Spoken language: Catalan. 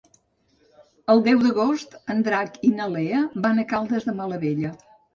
El deu d'agost en Drac i na Lea van a Caldes de Malavella.